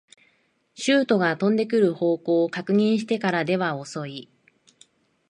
シュートが飛んでくる方向を確認してからでは遅い